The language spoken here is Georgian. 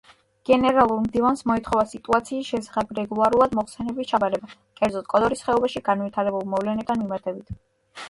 გენერალურ მდივანს მოეთხოვა სიტუაციის შესახებ რეგულარულად მოხსენების ჩაბარება, კერძოდ, კოდორის ხეობაში განვითარებულ მოვლენებთან მიმართებით.